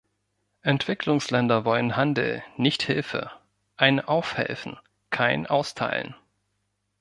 Entwicklungsländer wollen Handel, nicht Hilfe, ein Aufhelfen, kein Austeilen.